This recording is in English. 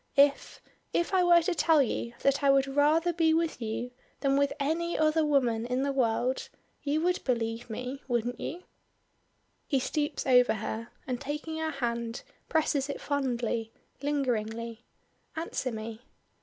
If if I were to tell you that I would rather be with you than with any other woman in the world, you would believe me, wouldn't you?" He stoops over her, and taking her hand presses it fondly, lingeringly. "Answer me."